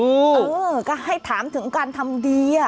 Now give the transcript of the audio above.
เออก็ให้ถามถึงการทำดีอ่ะ